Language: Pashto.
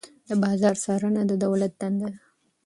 د بازار څارنه د دولت دنده ده.